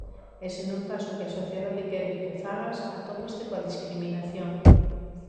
E se non fas o que a sociedade quere que fagas, atópaste coa discriminación.